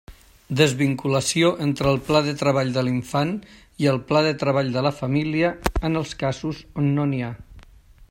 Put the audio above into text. Desvinculació entre el pla de treball de l'infant i el pla de treball de la família, en els casos on n'hi ha.